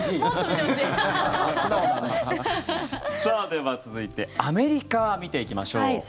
では、続いてアメリカ見ていきましょう。